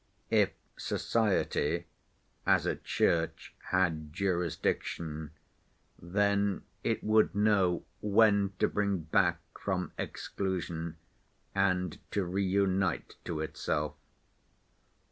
If society, as a Church, had jurisdiction, then it would know when to bring back from exclusion and to reunite to itself.